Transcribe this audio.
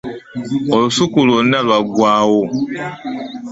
Olusuku lwona lwagwawo.